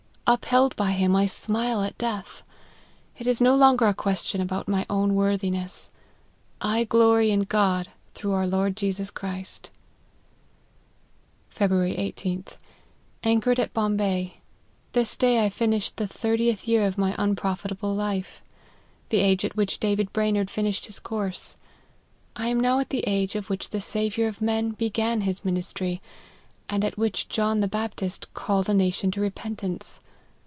Upheld by him, I smile at death. It is no longer a question about my own worthiness. I glory in God, through our Lord Jesus Christ." " Feb. 18th. Anchored at Bombay. This day I finished the thirtieth year of my unprofitable life ; the age at which David Brainerd finished his course. I am now at the age at which the Saviour of men began his ministry, and at which John the Baptist called a nation to repentance.